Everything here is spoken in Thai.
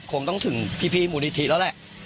คงต้องถึงพี่มูลนิธิแล้วแหละ